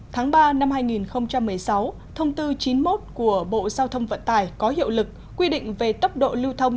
tháng ba năm hai nghìn một mươi sáu thông tư chín mươi một của bộ giao thông vận tải có hiệu lực quy định về tốc độ lưu thông